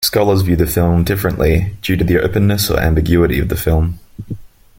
Scholars view the film differently due to the openness or ambiguity of the film.